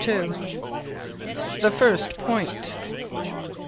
_The first Point.